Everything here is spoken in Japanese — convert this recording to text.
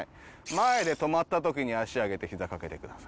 前で止まった時に足上げてひざ掛けてください。